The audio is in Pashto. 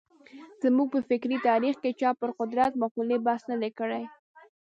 زموږ په فکري تاریخ کې چا پر قدرت مقولې بحث نه دی کړی.